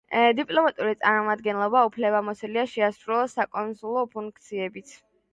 დიპლომატიური წარმომადგენლობა უფლებამოსილია შეასრულოს საკონსულო ფუნქციებიც.